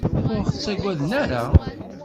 Ur ɣ-ttagaden ara.